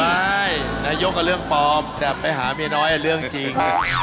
นายกก็เรื่องปลอมแต่ไปหาเมียน้อยเรื่องจริง